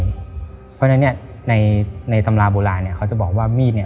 เพราะฉะนั้นเนี่ยในตำราโบราณเนี่ยเขาจะบอกว่ามีดเนี่ย